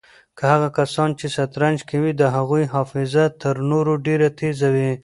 هغه کسان چې شطرنج کوي د هغوی حافظه تر نورو ډېره تېزه وي.